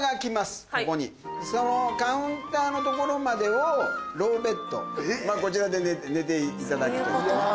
そのカウンターの所までをローベッドこちらで寝ていただくという。